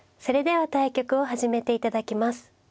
それでは対局を始めて頂きます。